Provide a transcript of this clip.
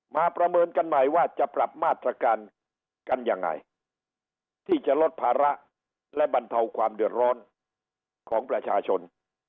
ประเมินกันใหม่ว่าจะปรับมาตรการกันยังไงที่จะลดภาระและบรรเทาความเดือดร้อนของประชาชน